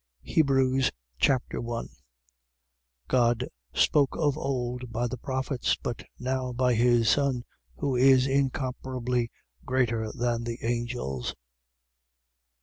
Hebrews Chapter 1 God spoke of old by the prophets, but now by his Son, who is incomparably greater than the angels.